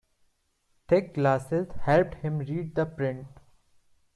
Thick glasses helped him read the print.